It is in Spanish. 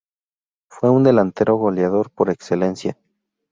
Fue un delantero goleador por excelencia.